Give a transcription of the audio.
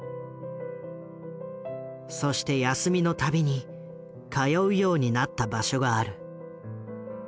そして休みの度に通うようになった場所がある。